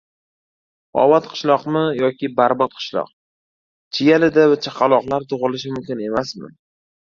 «Obod qishloq»mi yoki «barbod qishloq». Chiyalida chaqaloqlar tug‘ilishi mumkin emasmi?